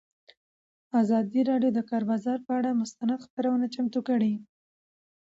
ازادي راډیو د د کار بازار پر اړه مستند خپرونه چمتو کړې.